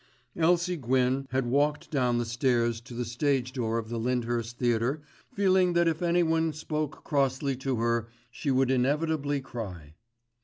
Elsie Gwyn had walked down the stairs to the stage door of the Lyndhurst Theatre feeling that if anyone spoke crossly to her she would inevitably cry.